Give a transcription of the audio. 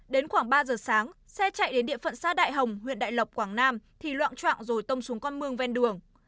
đến khoảng ba giờ sáng xe chạy đến địa phận xã đại hồng huyện đại lộc quảng nam thì loạn trạng rồi tông xuống con mương ven đường